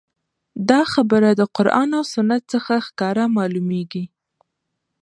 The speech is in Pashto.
دا خبره د قران او سنت څخه ښکاره معلوميږي